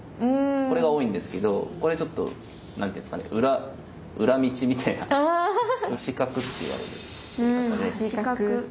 これが多いんですけどこれちょっと何ていうんですかね「端角」って言われるやり方です。